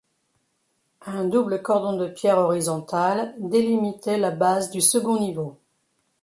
Un double cordon de pierre horizontal délimitait la base du second niveau.